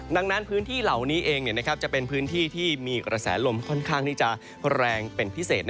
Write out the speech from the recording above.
ดังนั้นพื้นที่เหล่านี้เองจะเป็นพื้นที่ที่มีกระแสลมค่อนข้างที่จะแรงเป็นพิเศษ